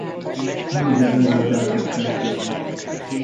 Nagy beruházások kezdődnek.